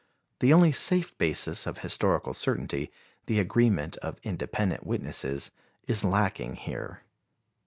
The only safe basis of historical certainty, the agreement of independent witnesses, is lacking here.